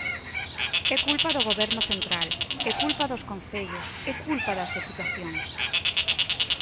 É culpa do Goberno central, é culpa dos concellos, é culpa das deputacións.